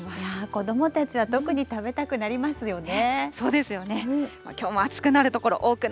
子どもたちは特に食べたくなりますよね。